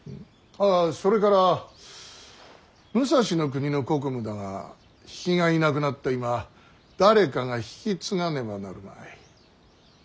ああそれから武蔵国の国務だが比企がいなくなった今誰かが引き継がねばなるまい。